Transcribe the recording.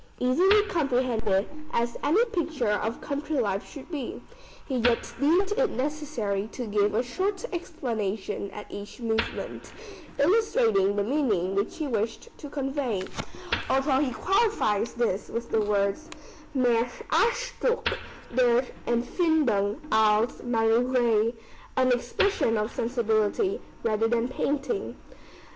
Easily comprehended, as any picture of country life should be, he yet deemed it necessary to give a short explanation at each movement, illustrating the meaning which he wished to convey, although he qualifies this with the words, "mehr Ausdruck der Empfindung als Malerei." [An expression of sensibility rather than painting.